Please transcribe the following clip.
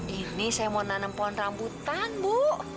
ini saya mau nanam pohon rambutan bu